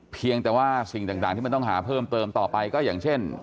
เพียงแต่ว่าสิ่งต่างที่มันต้องหาเพิ่มเติมต่อไปก็อย่างเช่น